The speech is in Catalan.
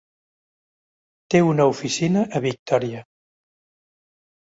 Té una oficina a Victoria.